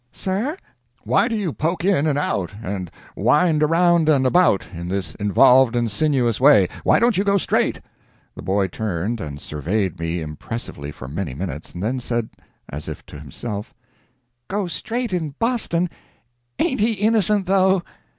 "Sir?" "Why do you poke in and out and wind around and about in this involved and sinuous way? Why don't you go straight?" The boy turned and surveyed me impressively for many minutes, and then said, as if to himself: "Go straight in Boston—ain't he innocent, though?"